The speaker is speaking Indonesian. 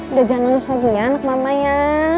udah jangan nangis lagi ya anak mama ya